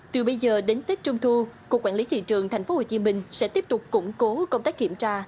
từ bây giờ đến tết trung thu cục quản lý thị trường tp hcm sẽ tiếp tục củng cố công tác kiểm tra